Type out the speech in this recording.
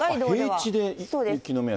平地で雪の目安？